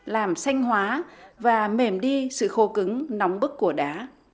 làm xanh hóa và mềm đi sự khô cứng nóng bức của đá